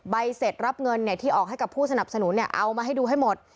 ใบเสร็จรับเงินที่ออกให้กับผู้สนับสนุนเอามาให้ดูให้หมด